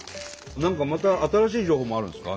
何かまた新しい情報もあるんですか？